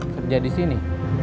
kerja di sini